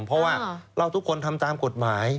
เพราะว่าเราทุกคนทำตามกฎหมาย